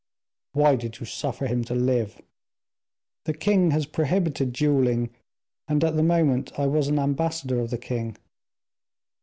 "Why did you suffer him to live?" "The king has prohibited duelling, and, at the moment, I was an ambassador of the king."